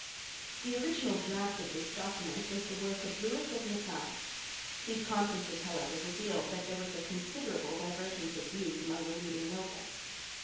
The original draft of this document was the work of Lewis of Nassau. These conferences, however, revealed that there was a considerable divergence of views among the leading nobles.